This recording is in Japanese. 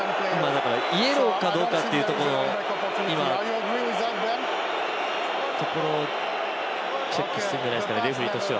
イエローかどうかというところをチェックしているんじゃないですかね、レフリーとしては。